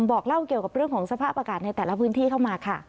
บอกเล่าเกี่ยวกับเรื่องของสภาพอากาศในแต่ละพื้นที่เข้ามาค่ะ